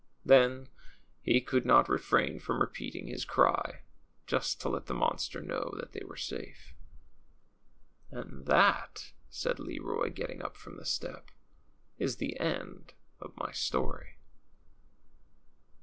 Then he could not refrain from repeating his cry, just to let the mon ster know that they were safe. And that," said Leroy, getting up from the step, ^^is the end of my story."